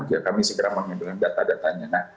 ya kami segera mengumpulkan data datanya